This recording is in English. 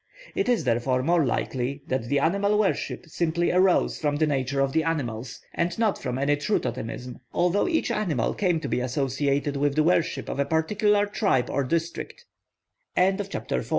It is therefore more likely that the animal worship simply arose from the nature of the animals, and not from any true totemism, although each animal came to be associated with the worship of a particular tr